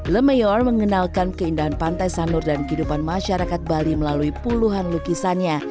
lemeor mengenalkan keindahan pantai sanur dan kehidupan masyarakat bali melalui puluhan lukisannya